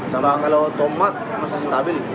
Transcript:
sama kalau tomat masih stabil